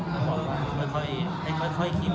ยังจำนวนเงินค่อนข้างเยอะดูเครียด